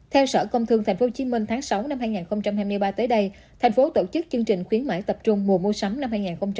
theo sở công thương tp hcm tháng sáu năm hai nghìn hai mươi ba tới đây thành phố tổ chức chương trình khuyến mại tập trung mùa mua sắm năm hai nghìn hai mươi bốn